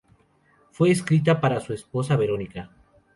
Fue escrita para su esposa, Verónica.